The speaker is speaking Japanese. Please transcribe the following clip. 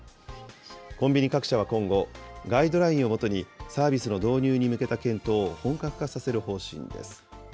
コンビニ各社は今後、ガイドラインをもとに、サービスの導入に向けた検討を本格化させる方針です。